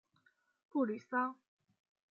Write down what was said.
布吕桑。